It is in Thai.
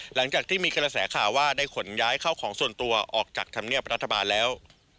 หลังจากที่มีกระแสข่าวว่าได้ขนย้ายเข้าของส่วนตัวออกจากธรรมเนียบรัฐบาลแล้ว